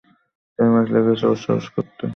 ছয় মাস লেগেছে, ওর সাহস করতে!